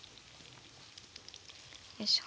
よいしょ。